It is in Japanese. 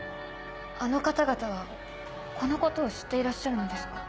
あの方々はこのことを知っていらっしゃるのですか？